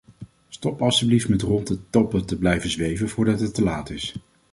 Stop alstublieft met rond de toppen te blijven zweven voordat het te laat is.